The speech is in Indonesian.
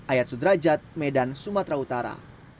ayat sudrajat medan sumatera utara